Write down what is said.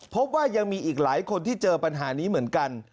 พบว่ายังมีอีกหลายคนที่เจอปัญหานี้เหมือนกัน